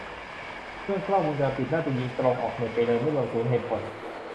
เรื่องกล้องวงจรปิด น่าจะยิงตรงออกเน็ตไปเลย ไม่รวมศูนย์ เหตุผล